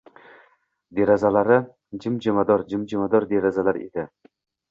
Derazalari jimjimador-jimjimador derazalar edi.